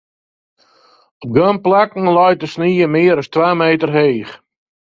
Op guon plakken leit de snie mear as twa meter heech.